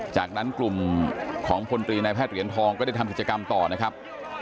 จากนั้นกลุ่มของพลตรีนายแพทย์เหรียญทองก็ได้ทำกิจกรรมต่อนะครับ